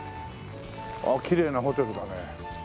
ああきれいなホテルだね。